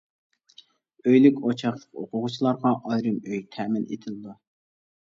ئۆيلۈك-ئوچاقلىق ئوقۇغۇچىلارغا ئايرىم ئۆي تەمىن ئېتىلىدۇ.